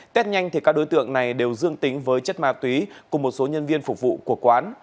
tết nhanh các đối tượng này đều dương tính với chất ma túy cùng một số nhân viên phục vụ của quán